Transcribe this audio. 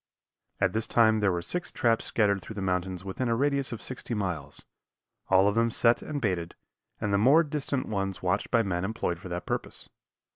At this time there were six traps scattered through the mountains within a radius of sixty miles, all of them set and baited, and the more distant ones watched by men employed for that purpose.